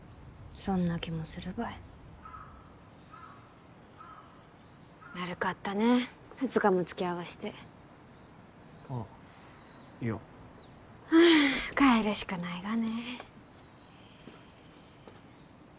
そんな気もするばい悪かったね二日も付き合わしてあっいやはあ帰るしかないがね